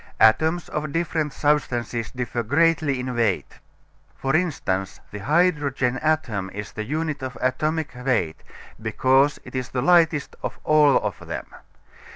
Atoms of different substances differ greatly in weight. For instance, the hydrogen atom is the unit of atomic weight, because it is the lightest of all of them.